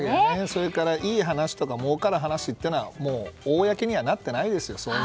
それから、いい話とかもうかる話というのは公にはならないですよ。